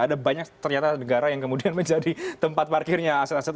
ada banyak ternyata negara yang kemudian menjadi tempat parkirnya aset aset